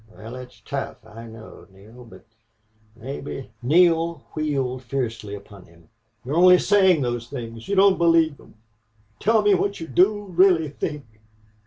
"Wal, it's tough, I know, Neale, but mebbe " Neale wheeled fiercely upon him. "You're only saying those things! You don't believe them! Tell me what you do really think."